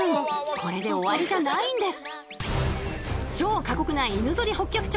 これで終わりじゃないんです。